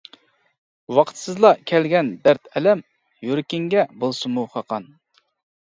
ۋاقىتسىزلا كەلگەن دەرد ئەلەم، يۈرىكىڭگە بولسىمۇ خاقان.